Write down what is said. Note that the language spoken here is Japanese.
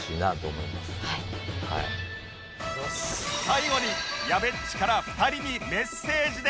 最後にやべっちから２人にメッセージです